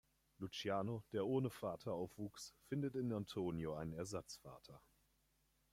Luciano, der ohne Vater aufwuchs, findet in Antonio einen Ersatzvater.